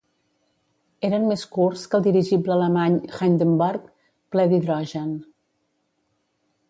Eren més curts que el dirigible alemany "Hindenburg", ple d'hidrogen.